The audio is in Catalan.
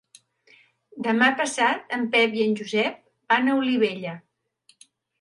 Demà passat en Pep i en Josep van a Olivella.